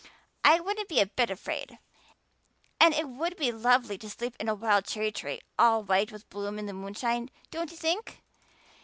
I wouldn't be a bit afraid, and it would be lovely to sleep in a wild cherry tree all white with bloom in the moonshine, don't you think?